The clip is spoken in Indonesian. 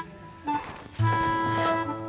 kamu mau ke rumah